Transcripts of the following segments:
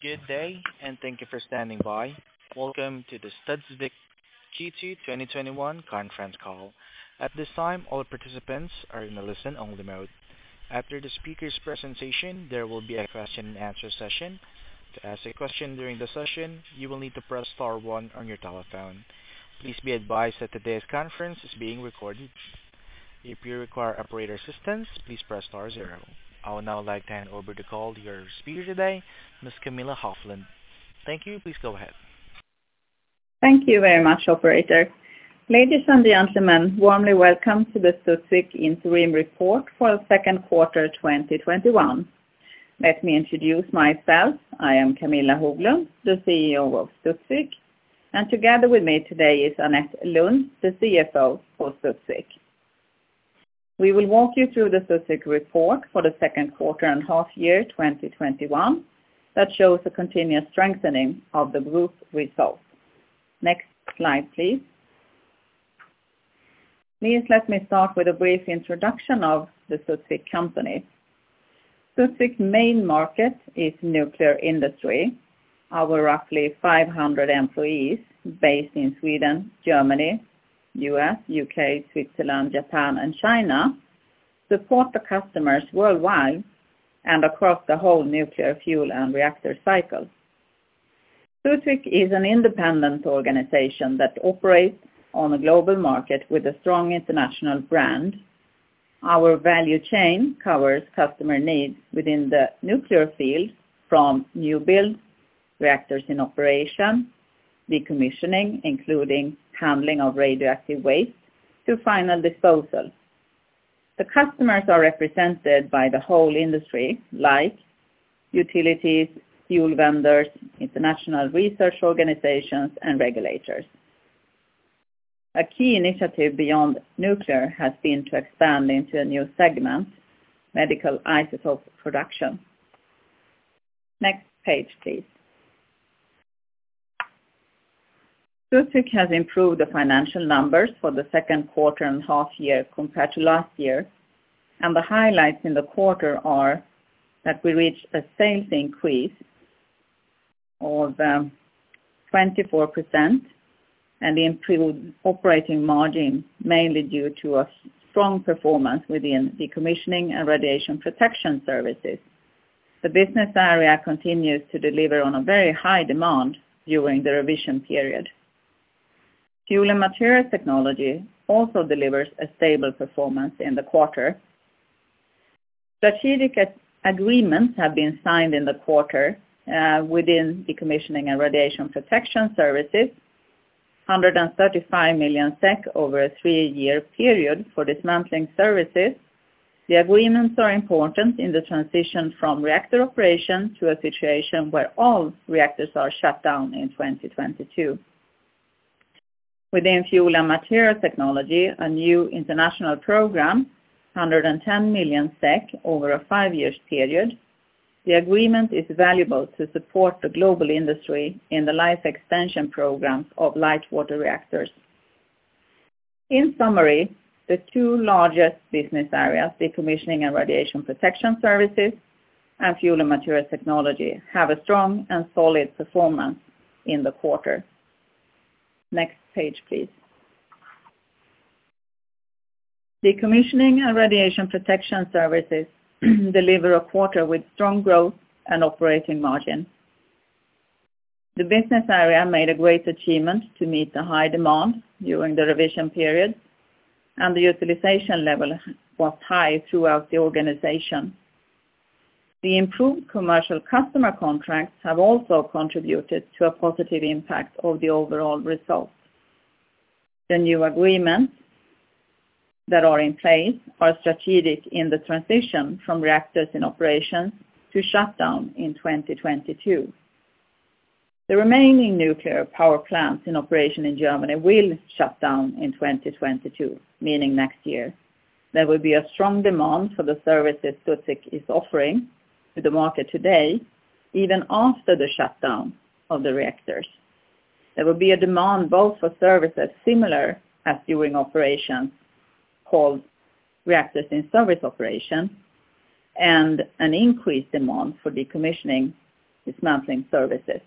Good day, and thank you for standing by. Welcome to the Studsvik Q2 2021 conference call. At this time, all participants are in a listen-only mode. After the speaker's presentation, there will be a question and answer session. To ask a question during the session, you will need to press star one on your telephone. Please be advised that today's conference is being recorded. If you require operator assistance, please press star zero. I would now like to hand over the call to your speaker today, Ms. Camilla Hoflund. Thank you. Please go ahead. Thank you very much, operator. Ladies and gentlemen, warmly welcome to the Studsvik interim report for the second quarter 2021. Let me introduce myself. I am Camilla Hoflund, the CEO of Studsvik, and together with me today is Anette Lundh, the CFO for Studsvik. We will walk you through the Studsvik report for the second quarter and half year 2021 that shows a continuous strengthening of the group results. Next slide, please. Please let me start with a brief introduction of the Studsvik company. Studsvik's main market is nuclear industry. Our roughly 500 employees based in Sweden, Germany, U.S., U.K., Switzerland, Japan, and China support the customers worldwide and across the whole nuclear fuel and reactor cycle. Studsvik is an independent organization that operates on a global market with a strong international brand. Our value chain covers customer needs within the nuclear field from new build reactors in operation, decommissioning, including handling of radioactive waste, to final disposal. The customers are represented by the whole industry, like utilities, fuel vendors, international research organizations, and regulators. A key initiative beyond nuclear has been to expand into a new segment, Medical Isotope Production. Next page, please. Studsvik has improved the financial numbers for the second quarter and half year compared to last year, and the highlights in the quarter are that we reached a sales increase of 24% and the improved operating margin, mainly due to a strong performance within Decommissioning and Radiation Protection Services. The business area continues to deliver on a very high demand during the revision period. Fuel and Materials Technology also delivers a stable performance in the quarter. Strategic agreements have been signed in the quarter, within decommissioning and radiation protection services, 135 million SEK over a three-year period for dismantling services. The agreements are important in the transition from reactor operation to a situation where all reactors are shut down in 2022. Within fuel and materials technology, a new international program, 110 million SEK over a five-year period. The agreement is valuable to support the global industry in the life extension programs of light water reactors. In summary, the two largest business areas, decommissioning and radiation protection services and fuel and materials technology, have a strong and solid performance in the quarter. Next page, please. Decommissioning and radiation protection services deliver a quarter with strong growth and operating margin. The business area made a great achievement to meet the high demand during the revision period, and the utilization level was high throughout the organization. The improved commercial customer contracts have also contributed to a positive impact of the overall results. The new agreements that are in place are strategic in the transition from reactors in operation to shut down in 2022. The remaining nuclear power plants in operation in Germany will shut down in 2022, meaning next year. There will be a strong demand for the services Studsvik is offering to the market today, even after the shutdown of the reactors. There will be a demand both for services similar as during operation called reactors in service operation and an increased demand for decommissioning dismantling services.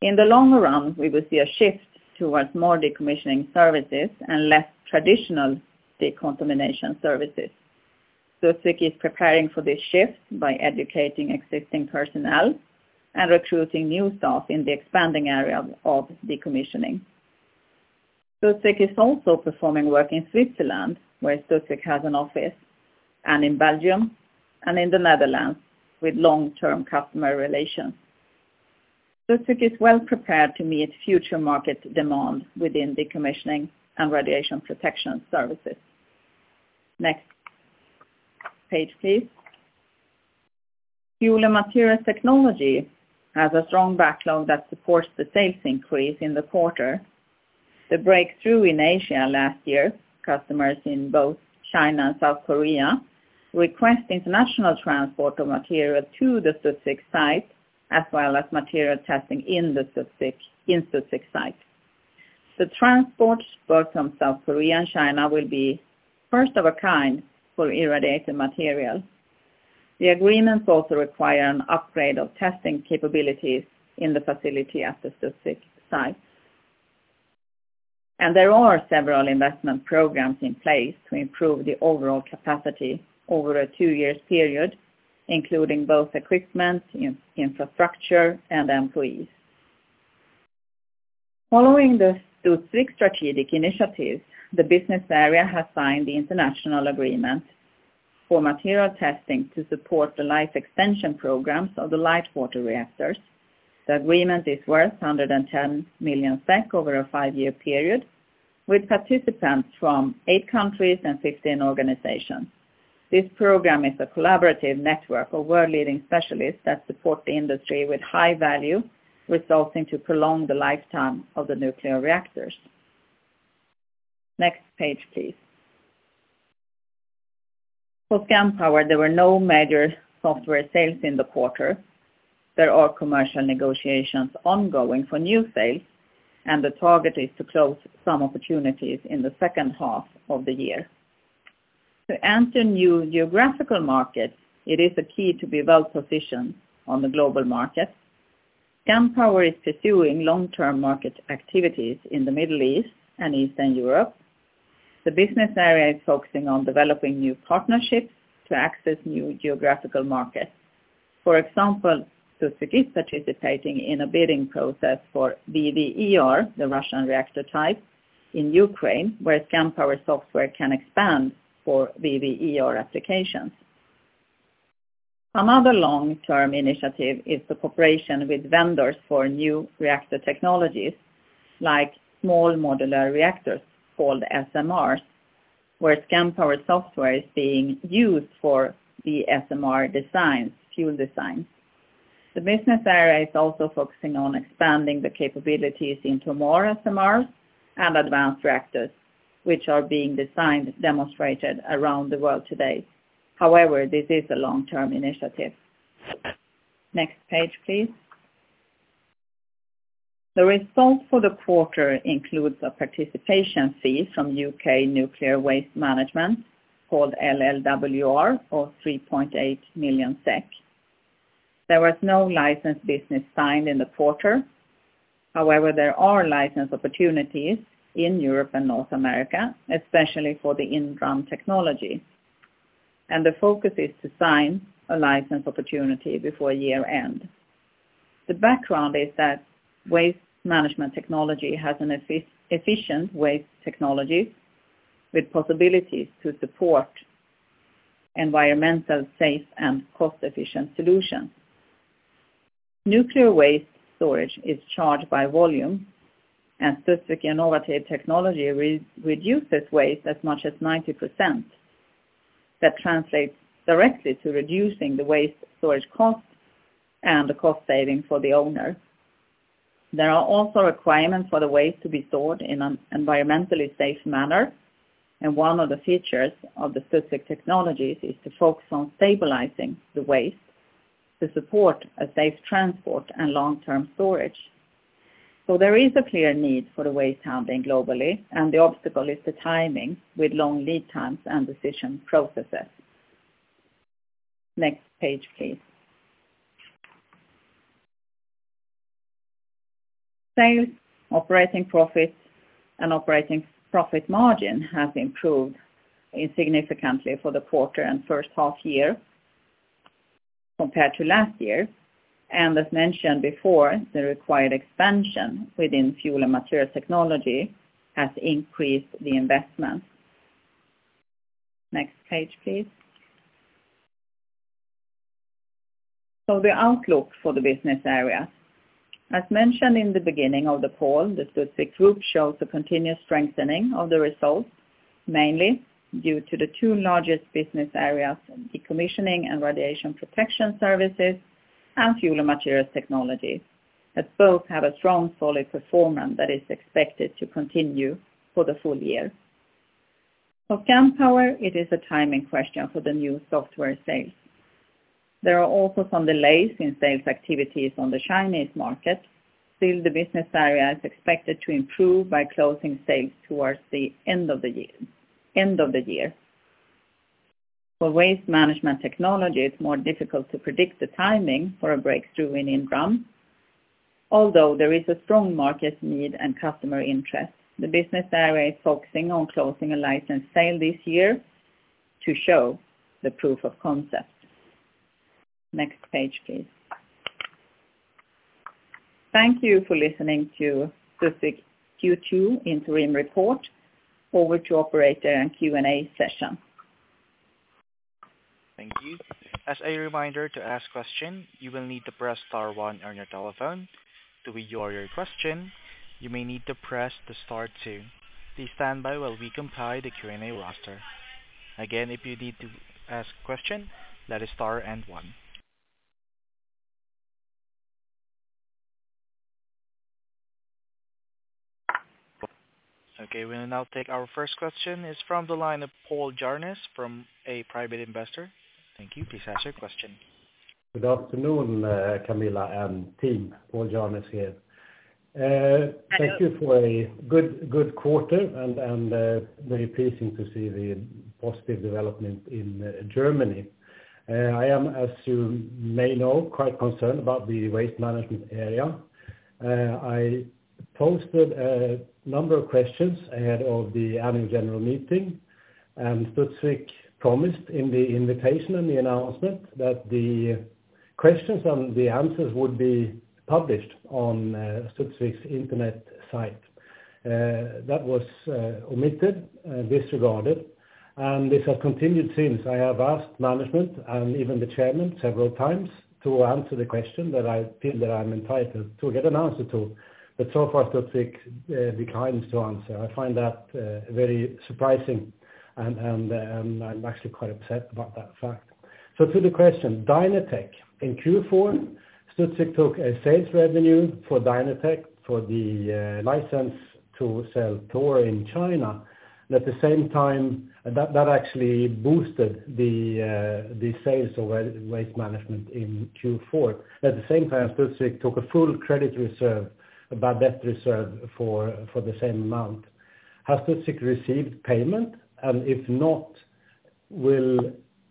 In the long run, we will see a shift towards more decommissioning services and less traditional decontamination services. Studsvik is preparing for this shift by educating existing personnel and recruiting new staff in the expanding area of decommissioning. Studsvik is also performing work in Switzerland, where Studsvik has an office, and in Belgium, and in the Netherlands with long-term customer relations. Studsvik is well prepared to meet future market demand within decommissioning and radiation protection services. Next page, please. Fuel and Materials technology has a strong backlog that supports the sales increase in the quarter. The breakthrough in Asia last year, customers in both China and South Korea request international transport of material to the Studsvik site, as well as material testing in Studsvik site. The transports both from South Korea and China will be first of a kind for irradiated material. The agreements also require an upgrade of testing capabilities in the facility at the Studsvik site. There are several investment programs in place to improve the overall capacity over a two-year period, including both equipment, infrastructure, and employees. Following the Studsvik strategic initiative, the business area has signed the international agreement for material testing to support the life extension programs of the light water reactors. The agreement is worth 110 million SEK over a five-year period, with participants from eight countries and 15 organizations. This program is a collaborative network of world-leading specialists that support the industry with high value, resulting to prolong the lifetime of the nuclear reactors. Next page, please. For Scandpower, there were no major software sales in the quarter. There are commercial negotiations ongoing for new sales, and the target is to close some opportunities in the second half of the year. To enter new geographical markets, it is a key to be well-positioned on the global market. Scandpower is pursuing long-term market activities in the Middle East and Eastern Europe. The business area is focusing on developing new partnerships to access new geographical markets. For example, Studsvik is participating in a bidding process for VVER, the Russian reactor type, in Ukraine, where Scandpower software can expand for VVER applications. Another long-term initiative is the cooperation with vendors for new reactor technologies, like small modular reactors, called SMRs, where Scandpower software is being used for the SMR designs, fuel designs. The business area is also focusing on expanding the capabilities into more SMRs and advanced reactors, which are being designed, demonstrated around the world today. However, this is a long-term initiative. Next page, please. The result for the quarter includes a participation fee from UK Nuclear Waste Management, called LLWR, of 3.8 million SEK. There was no license business signed in the quarter. There are license opportunities in Europe and North America, especially for the inDRUM technology. The focus is to sign a license opportunity before year-end. The background is that Waste Management Technology has an efficient waste technology with possibilities to support environmentally safe and cost-efficient solutions. Nuclear waste storage is charged by volume. Studsvik innovative technology reduces waste as much as 90%. That translates directly to reducing the waste storage cost and the cost saving for the owner. There are also requirements for the waste to be stored in an environmentally safe manner. One of the features of the Studsvik technologies is to focus on stabilizing the waste to support a safe transport and long-term storage. There is a clear need for the waste handling globally. The obstacle is the timing with long lead times and decision processes. Next page, please. Sales, operating profits and operating profit margin has improved significantly for the quarter and first half year compared to last year. As mentioned before, the required expansion within Fuel and Materials Technology has increased the investment. Next page, please. The outlook for the business area. As mentioned in the beginning of the call, the Studsvik Group shows a continuous strengthening of the results, mainly due to the two largest business areas, Decommissioning and Radiation Protection Services and Fuel and Materials Technologies, that both have a strong, solid performance that is expected to continue for the full year. For Scandpower, it is a timing question for the new software sales. There are also some delays in sales activities on the Chinese market. Still, the business area is expected to improve by closing sales towards the end of the year. For Waste Management Technology, it's more difficult to predict the timing for a breakthrough in inDRUM, although there is a strong market need and customer interest. The business area is focusing on closing a license sale this year to show the proof of concept. Next page, please. Thank you for listening to Studsvik Q2 interim report. Over to operator and Q&A session. Thank you. As a reminder, to ask question, you will need to press star one on your telephone. To withdraw your question, you may need to press the star two. Please stand by while we compile the Q&A roster. Again, if you need to ask a question, that is star and one. Okay, we'll now take our first question. It's from the line of Pål Jarness from A Private Investor. Thank you. Please ask your question Good afternoon, Camilla and team. Pål Jarness here. Hello. Thank you for a good quarter, and very pleasing to see the positive development in Germany. I am, as you may know, quite concerned about the waste management area. I posted a number of questions ahead of the annual general meeting, and Studsvik promised in the invitation and the announcement that the questions and the answers would be published on Studsvik's internet site. That was omitted, disregarded, and this has continued since. I have asked management and even the chairman several times to answer the question that I feel that I'm entitled to get an answer to, but so far, Studsvik declines to answer. I find that very surprising, and I'm actually quite upset about that fact. To the question, Dynatech. In Q4, Studsvik took a sales revenue for Dynatech for the license to sell THOR in China. That actually boosted the sales of waste management in Q4. At the same time, Studsvik took a full credit reserve, a bad debt reserve for the same amount. Has Studsvik received payment? If not, will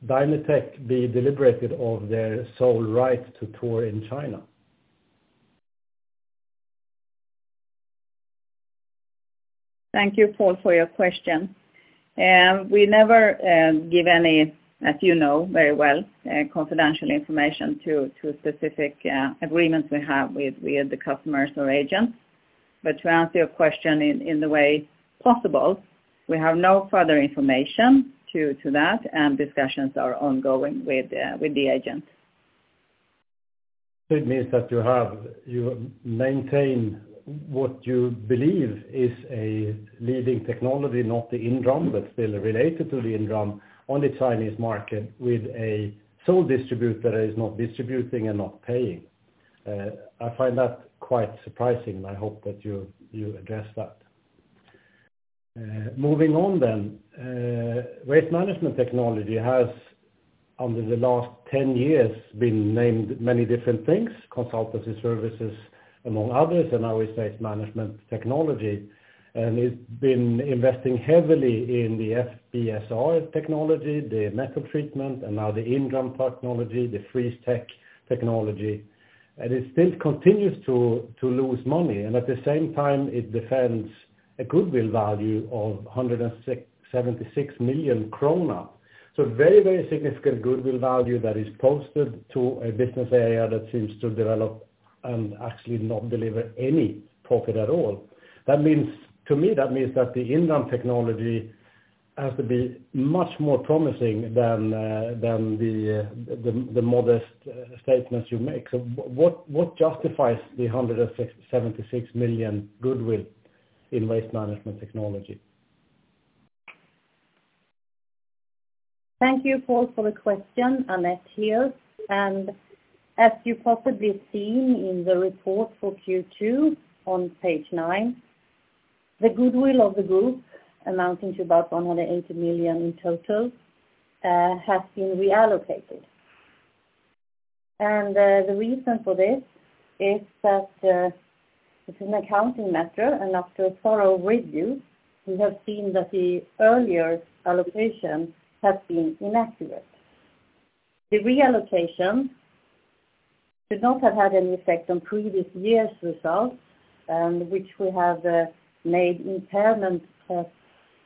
Dynatech be deprieved of their sole right to THOR in China? Thank you, Pål, for your question. We never give any, as you know very well, confidential information to specific agreements we have with the customers or agents. To answer your question in the way possible, we have no further information to that, and discussions are ongoing with the agent. It means that you maintain what you believe is a leading technology, not the inDRUM, but still related to the inDRUM on the Chinese market with a sole distributor that is not distributing and not paying. I find that quite surprising. I hope that you address that. Moving on. Waste Management Technology has, under the last 10 years, been named many different things, consultancy services among others. Now it's Waste Management Technology. It's been investing heavily in the FBSR technology, the metal treatment. Now the inDRUM technology, the Freeze-Tec technology. It still continues to lose money. At the same time, it defends a goodwill value of 176 million krona. Very significant goodwill value that is posted to a business area that seems to develop and actually not deliver any profit at all. To me, that means that the inDRUM technology has to be much more promising than the modest statements you make. What justifies the 176 million goodwill in Waste Management Technology? Thank you, Pål, for the question. Anette here. As you probably have seen in the report for Q2 on page nine, the goodwill of the group, amounting to about 180 million in total, has been reallocated. The reason for this is that it's an accounting matter, and after a thorough review, we have seen that the earlier allocation has been inaccurate. The reallocation did not have any effect on previous year's results, which we have made impairment tests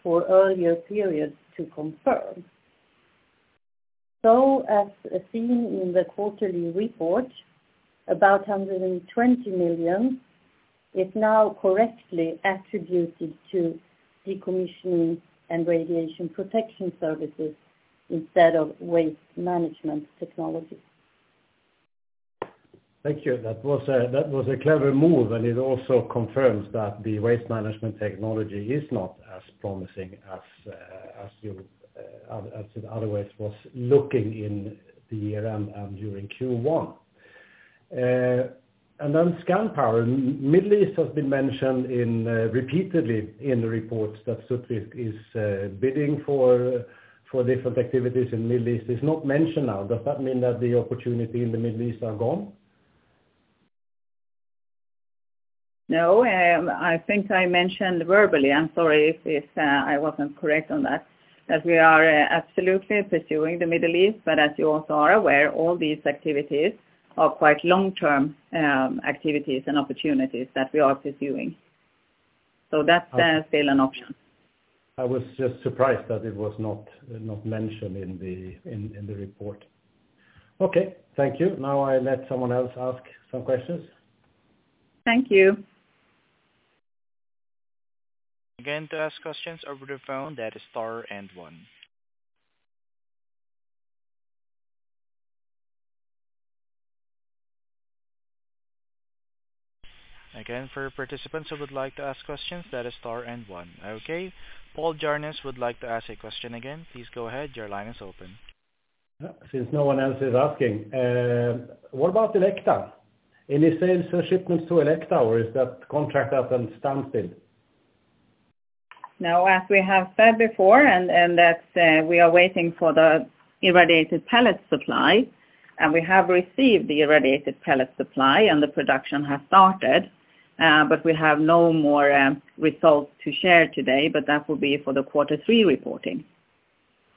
for earlier periods to confirm. As seen in the quarterly report, about 120 million is now correctly attributed to Decommissioning and Radiation Protection Services instead of Waste Management Technology. Thank you. That was a clever move. It also confirms that the Waste Management Technology is not as promising as it otherwise was looking in the year-end and during Q1. Then Scandpower. Middle East has been mentioned repeatedly in the reports that Studsvik is bidding for different activities in Middle East. It's not mentioned now. Does that mean that the opportunity in the Middle East are gone? No, I think I mentioned verbally, I'm sorry if I wasn't correct on that we are absolutely pursuing the Middle East. As you also are aware, all these activities are quite long-term, activities and opportunities that we are pursuing. That's still an option. I was just surprised that it was not mentioned in the report. Okay, thank you. Now I let someone else ask some questions. Thank you. Again, to ask questions over the phone, that is star and one. Again, for participants who would like to ask questions, that is star and one. Okay, Pål Jarness would like to ask a question again. Please go ahead. Your line is open. Since no one else is asking, what about Elekta? Any sales or shipments to Elekta, or is that contract at a standstill? No, as we have said before, and that we are waiting for the irradiated pellet supply. We have received the irradiated pellet supply. The production has started. We have no more results to share today. That will be for the quarter three reporting.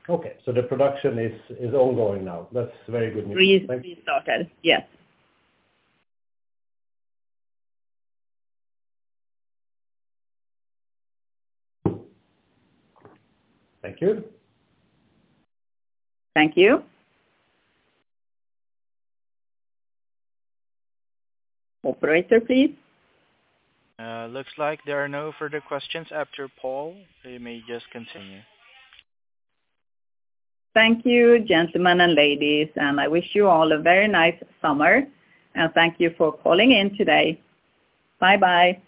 Okay, the production is ongoing now. That's very good news. We started, yes. Thank you. Thank you. Operator, please. Looks like there are no further questions after Pål. You may just continue. Thank you, gentlemen and ladies, and I wish you all a very nice summer. Thank you for calling in today. Bye-bye.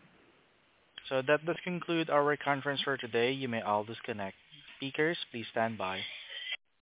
That does conclude our conference for today. You may all disconnect. Speakers, please stand by.